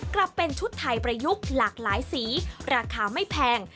กลับเป็นชุดไทยประยุกต์หลากหลายสีราคาไม่แพง